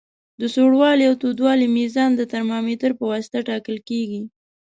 د سوړوالي او تودوالي میزان د ترمامتر پواسطه ټاکل کیږي.